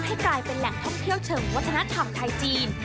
กลายเป็นแหล่งท่องเที่ยวเชิงวัฒนธรรมไทยจีน